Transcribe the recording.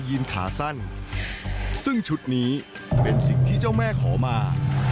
ขาสั้นซึ่งชุดนี้เป็นสิ่งที่เจ้าแม่ขอมา